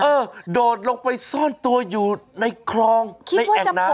โดดลงไปซ่อนตัวอยู่ในคลองในแอ่งน้ำ